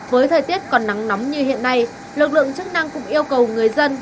với thời tiết còn nắng nóng như hiện nay lực lượng chức năng cũng yêu cầu người dân